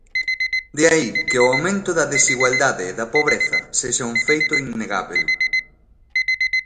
De aí que o aumento da desigualdade e da pobreza sexa un feito innegábel.